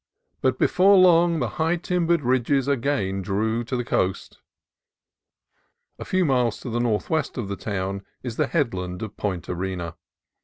But before long the high tim bered ridges again drew to the coast. A few miles to the northwest of the town is the headland of Point Arena.